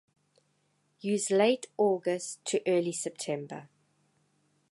Use late August to early September.